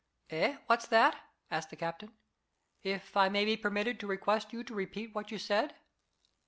"Eh? What's that?" asked the captain, "if I may be permitted to request you to repeat what you said."